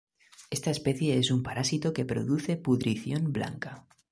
Esta especie es un parásito que produce pudrición blanca.